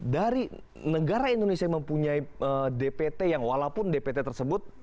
dari negara indonesia yang mempunyai dpt yang walaupun dpt tersebut